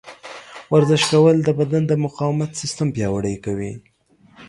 ورزش کول د بدن د مقاومت سیستم پیاوړی کوي.